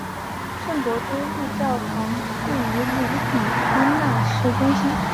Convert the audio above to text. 圣伯多禄教区教堂位于卢比安纳市中心。